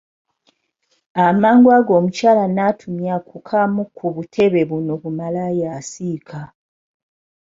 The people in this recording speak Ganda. Amangu ago omukyala n’atumya ku kamu ku butebe buno bu malaaya asiika.